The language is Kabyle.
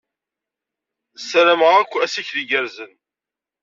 Ssarameɣ-ak assikel igerrzen.